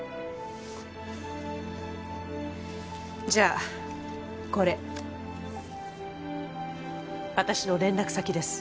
じゃあこれ私の連絡先です